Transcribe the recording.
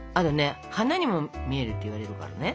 花にも見えるっていわれるからね。